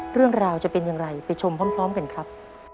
เรื่องราวจะเป็นอย่างไรไปชมพร้อมกันครับ